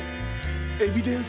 エビデンス！